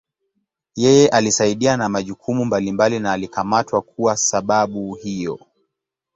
Yeye alisaidia na majukumu mbalimbali na alikamatwa kuwa sababu hiyo.